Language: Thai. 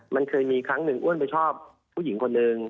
มันเคยมีครั้งหนึ่งอ้วนไปชอบผู้หญิงคนหนึ่ง